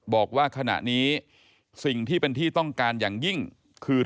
บอกว่าขณะนี้สิ่งที่เป็นที่ต้องการอย่างยิ่งคือ